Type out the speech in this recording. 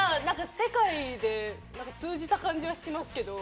世界で通じた感じはしますけど。